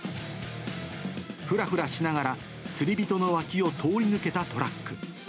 ふらふらしながら、釣り人の脇を通り抜けたトラック。